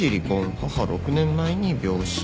母６年前に病死」